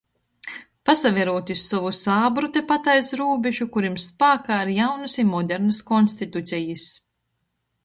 Pasaverūt iz sovu sābru tepat aiz rūbežu, kurim spākā ir jaunys i modernys konstitucejis,